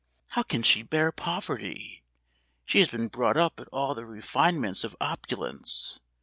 How can she bear poverty? She has been brought up in all the refinements of opulence.